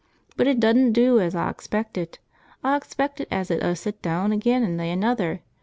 "But it dudn't do as aw expected. Aw expected as it 'ud sit deawn ageean an' lay another.